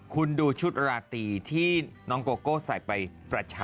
คุณดูชุดราตรีที่น้องโกโก้ใส่ไปประชา